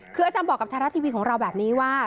คืออาจารย์บอกกับไทยรัฐทีวีของเราแบบนี้ว่า